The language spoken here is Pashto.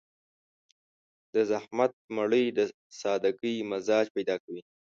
د زحمت مړۍ د سادهګي مزاج پيدا کوي.